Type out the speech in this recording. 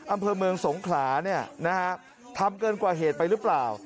อำเภอเมืองสงขลาเนี่ยนะฮะทำเกินกว่าเหตุไปหรือเปล่า